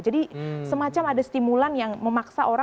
jadi semacam ada stimulan yang memaksa orang